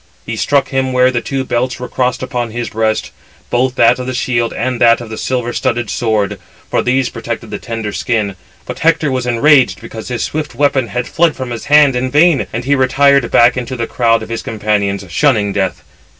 [He struck him] where the two belts were crossed upon his breast, both that of the shield and that of the silver studded sword; for these protected the tender skin: but Hector was enraged because his swift weapon had fled from his hand in vain, and he retired back into the crowd of his companions, shunning death.